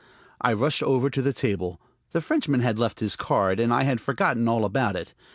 I rushed over to the table. The Frenchman had left his card, and I had forgotten all about it.